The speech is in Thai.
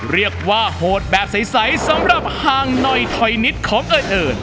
เรียกว่าโหดแบบใสสำหรับห่างหน่อยถอยนิดของเอิญ